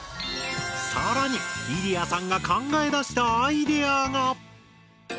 更にイリヤさんが考え出したアイデアが。